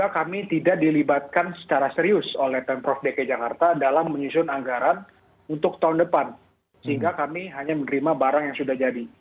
kami melihat bahwa tidak ada itikannya